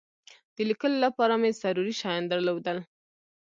د لیکلو لپاره مې ضروري شیان درلودل.